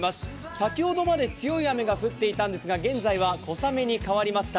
先ほどまで強い雨が降っていたんですが、現在は小雨に変わりました。